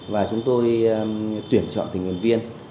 và chúng tôi tuyển chọn tình nguyện viên